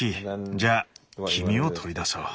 じゃあ黄身を取り出そう。